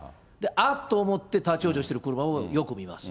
あっと思って立往生している車もよく見ます。